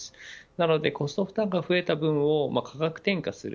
なのでコスト負担が増えた分を価格転嫁する。